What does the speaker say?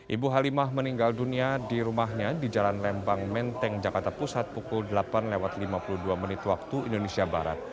ibu halimah meninggal dunia di rumahnya di jalan lembang menteng jakarta pusat pukul delapan lewat lima puluh dua menit waktu indonesia barat